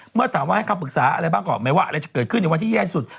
เมื่อถามว่าให้คำปรึกษาอะไรบ้างก่อนไม่ว่าอะไรจะเกิดขึ้นในวันที่แย่สุด